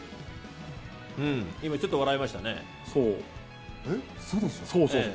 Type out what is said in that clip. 今、ちょっと笑いましたね。